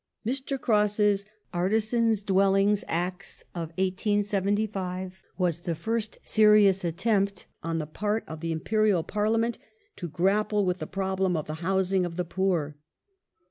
Mr. Cross's Artisans^ Dwellings Acts of 1875 was the first The serious attempt on the part of the Imperial Parliament to grapple ^°"s^"g with the problem of the housing of the poor.